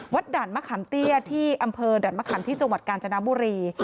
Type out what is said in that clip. ด่านมะขามเตี้ยที่อำเภอด่านมะขามที่จังหวัดกาญจนบุรี